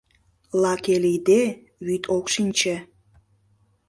Лаке лийде, вӱд ок шинче